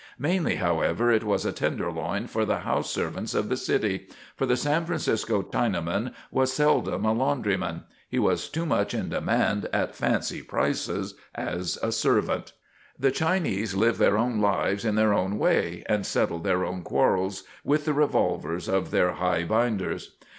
Mainly, however, it was a Tenderloin for the house servants of the city for the San Francisco Chinaman was seldom a laundryman; he was too much in demand at fancy prices as a servant. The Chinese lived their own lives in their own way and settled their own quarrels with the revolvers of their highbinders.